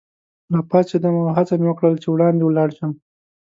راپاڅېدم او هڅه مې وکړل چي وړاندي ولاړ شم.